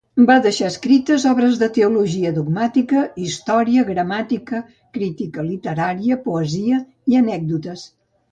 Va deixar escrites obres de teologia dogmàtica, història, gramàtica, crítica literària, poesia i anècdotes.